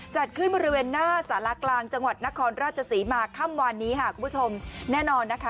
จัดขึ้นบริเวณหน้าสารากลางจังหวัดนครราชศรีมาค่ำวันนี้ค่ะคุณผู้ชมแน่นอนนะคะ